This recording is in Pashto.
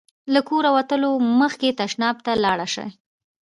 له کوره وتلو مخکې تشناب ته ولاړ شئ.